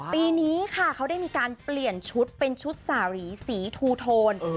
ปีนี้ค่ะเขาได้มีการเปลี่ยนชุดเป็นชุดสารีสีทูโทน